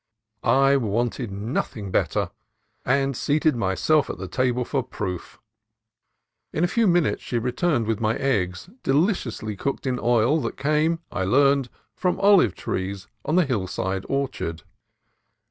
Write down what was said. I wanted nothing better, and seated myself at the table for proof. In a few minutes she returned with my eggs, deliriously cooked in oil that came, I learned, from the olive trees in the hillside orchard.